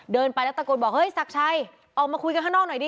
เดินไปแล้วตะโกนบอกเฮ้ยศักดิ์ชัยออกมาคุยกันข้างนอกหน่อยดิ